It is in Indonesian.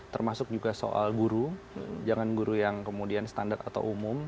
termasuk juga soal guru jangan guru yang kemudian standar atau umum